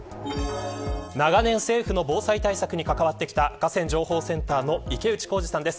長年政府の防災対策に関わってきた河川情報センターの池内幸司さんです。